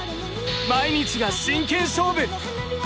毎日が真剣勝負！